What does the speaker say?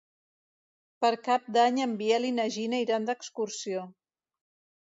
Per Cap d'Any en Biel i na Gina iran d'excursió.